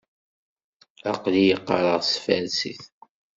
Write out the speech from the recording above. Aql-iyi qqareɣ s tfarsit.